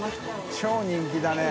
人気だね。